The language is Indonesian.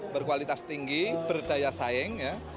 berkualitas tinggi berdaya saing ya